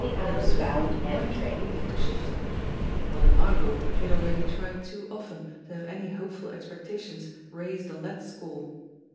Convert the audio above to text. Little Sweeney might lead him to Shiftel; Mother Margot he had already tried too often to have any hopeful expectations raised on that score.